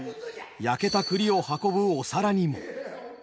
焼けた栗を運ぶお皿にも。